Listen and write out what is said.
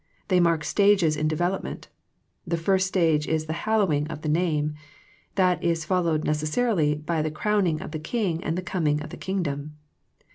They mark stages in develop ment. The first stage is the hallowing of the Name. That is followed necessarily by the crown ing of the King and the coming of the Kingdom.